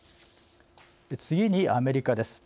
次にアメリカです。